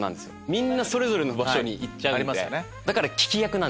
みんなそれぞれの場所に行っちゃうんで。